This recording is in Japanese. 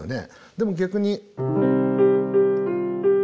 でも逆に。